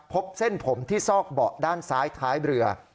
พบเส้นผมที่ซอกเบาะด้านซ้ายท้ายเรือ